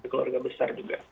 keluarga besar juga